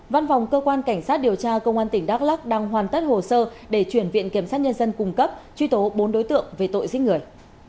văn phòng cơ quan cảnh sát điều tra công an tỉnh đắk lắc đang hoàn tất hồ sơ để chuyển viện kiểm sát nhân dân cung cấp truy tố bốn đối tượng về tội giết người